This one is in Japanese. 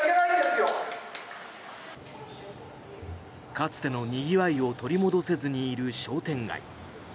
かつてのにぎわいを取り戻せずにいる商店街。